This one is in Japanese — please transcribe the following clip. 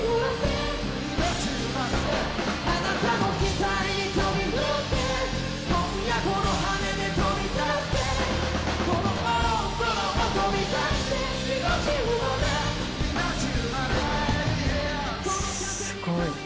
すごい。